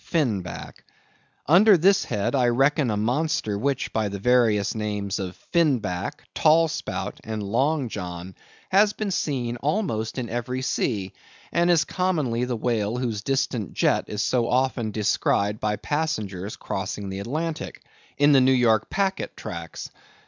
(Fin Back).—Under this head I reckon a monster which, by the various names of Fin Back, Tall Spout, and Long John, has been seen almost in every sea and is commonly the whale whose distant jet is so often descried by passengers crossing the Atlantic, in the New York packet tracks.